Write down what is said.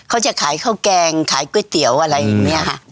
เขาจะขายข้าวแกงขายก๋วยเตี๋ยวอะไรอย่างนี้ค่ะ